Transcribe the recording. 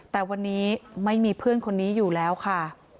แต่วันนี้ไม่มีเพื่อนคนนี้อยู่แล้วค่ะ